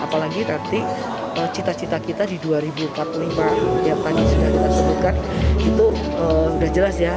apalagi nanti cita cita kita di dua ribu empat puluh lima yang tadi sudah kita sebutkan itu sudah jelas ya